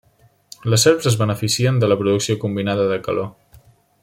Les serps es beneficien de la producció combinada de calor.